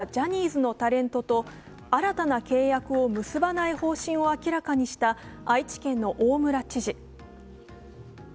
金曜日、これまでＰＲなどに起用してきたジャニーズのタレントと新たな契約を結ばない方針を明らかにした愛知県の大村知事。